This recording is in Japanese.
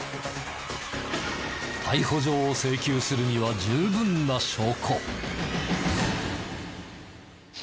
逮捕状を請求するには十分な証拠。